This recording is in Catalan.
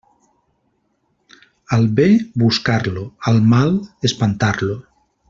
Al bé, buscar-lo; al mal, espantar-lo.